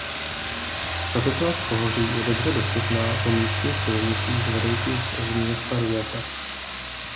Tato část pohoří je dobře dostupná po místních silnicích vedoucích z města Rijeka.